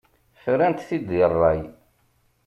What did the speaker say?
Frant-t-id deg ṛṛay.